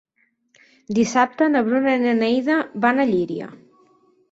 Dissabte na Bruna i na Neida van a Llíria.